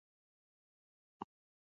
یرغلګر ځواکونه تل له ماتې سره مخ کېږي.